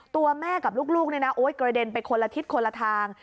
ตัวแม่กับลูกเนี่ยนะโอ๊ยกระเด็นไปคนละทิศคนละทาง